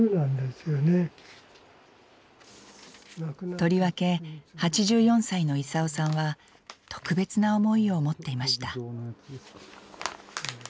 とりわけ８４歳の功さんは特別な思いを持っていました。